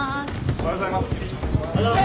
おはようございます。